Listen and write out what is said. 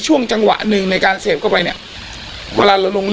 ความต้องการทางเพศมันจะสูง